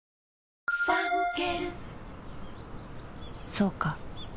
そうか